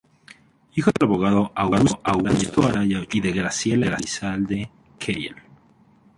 Hijo del abogado Augusto Araya Ochoa y de Graciela Elizalde Keller.